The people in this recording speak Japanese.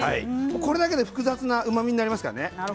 これで複雑なうまみになりますからね。